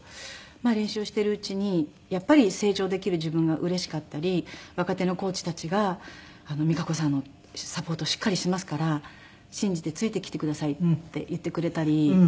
練習しているうちにやっぱり成長できる自分がうれしかったり若手のコーチたちが「実可子さんのサポートしっかりしますから信じてついてきてください」って言ってくれたり。